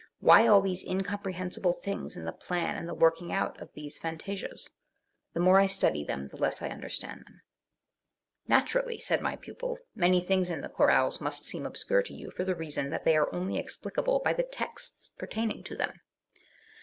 Why all these incomprehen sible things in the plan and the working out of these fan tasias ? The more I study them the less I understand them ." "Naturally," said my pupil, "many things in the chorales must seem obscure to you, for the reason that they are only explicable by the texts pertaining to them."